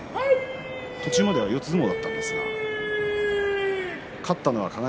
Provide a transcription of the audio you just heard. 途中までは四つ相撲だったんですが勝ったのは輝。